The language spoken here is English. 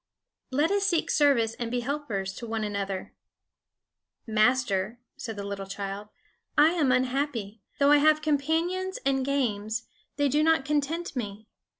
"Let us seek service and be helpers of one another." "Master," said the little child, "I am unhappy. Though I have companions and games, they do not content me.